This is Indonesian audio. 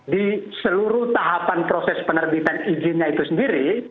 di seluruh tahapan proses penerbitan izinnya itu sendiri